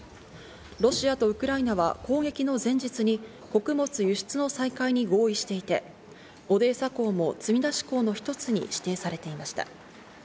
ロシアとウクライナは攻撃の前日に穀物輸出の再開に合意していて、オデーサ港も積み出し港のひとつに指定されていました。